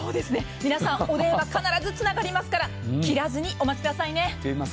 皆さん、お電話、必ずつながりますから、切らずにお待ちくださいね。